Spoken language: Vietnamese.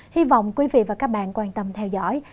hy vọng quý vị và các bạn quan tâm theo dõi